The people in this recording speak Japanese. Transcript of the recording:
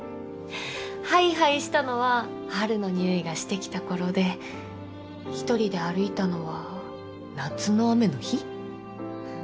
ハイハイしたのは春のにおいがしてきた頃で一人で歩いたのは夏の雨の日。